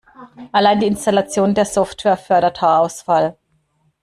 Allein die Installation der Software fördert Haarausfall.